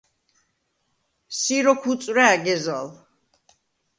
“სი როქუ̂ უწუ̂რა̄̈ გეზალ!”